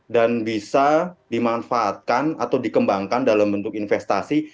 dan bisa dimanfaatkan atau dikembangkan dalam bentuk investasi